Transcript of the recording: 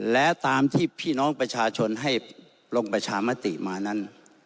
และตามที่พี่น้องประชาชนให้ลงประชามติมานั้น